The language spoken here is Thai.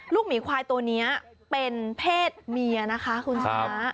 หมีควายตัวนี้เป็นเพศเมียนะคะคุณชนะ